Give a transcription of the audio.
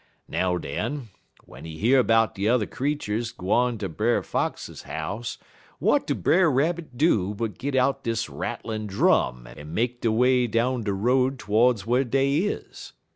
"Now, den, w'en he year 'bout de yuther creeturs gwine ter Brer Fox house, w'at do Brer Rabbit do but git out dis rattlin' drum en make de way down de road todes whar dey is.